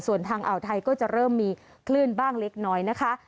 ส่วนทางอ่าวไทยก็จะเริ่มมีคลื่นบ้างเล็กน้อยนะคะ